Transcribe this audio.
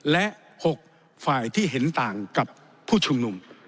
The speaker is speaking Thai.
และ๖ฝ่ายที่เห็นต่างกับผู้ชุมนุม